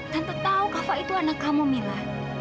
tante tahu kava itu anak kamu mila